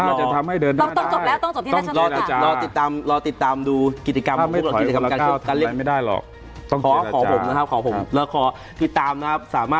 ถ้าจะทำให้เดินได้ได้ต้องจบที่นั้นใช่ไหมครับต้องจบแล้วต้องจบที่นั้นใช่ไหมครับ